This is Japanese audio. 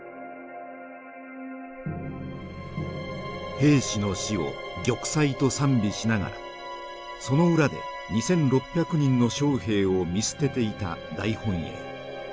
兵士の死を玉砕と賛美しながらその裏で２，６００人の将兵を見捨てていた大本営。